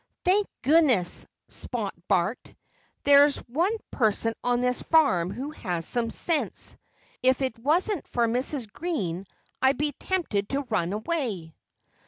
"Thank goodness," Spot barked, "there's one person on this farm who has some sense! If it wasn't for Mrs. Green I'd be tempted to run away."